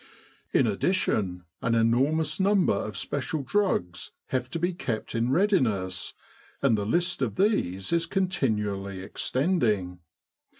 In addition, an enormous number of special drugs have to be kept in readiness, and the list of these is continually extending.